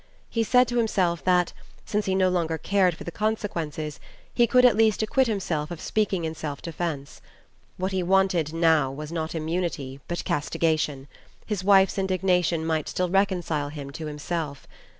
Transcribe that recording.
He said to himself that, since he no longer cared for the consequences, he could at least acquit himself of speaking in self defence. What he wanted now was not immunity but castigation: his wife's indignation might still reconcile him to himself.